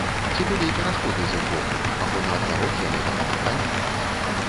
Ці былі перашкоды з іх боку або, наадварот, яны дапамагалі?